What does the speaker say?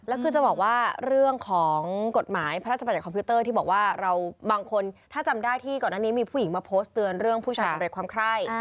แล้วคือจะบอกว่าเรื่องของกฎหมายพระราชบัญญคอมพิวเตอร์ที่บอกว่าเราบางคนถ้าจำได้ที่ก่อนหน้านี้มีผู้หญิงมาโพสต์เตือนเรื่องผู้ชายสำเร็จความไคร่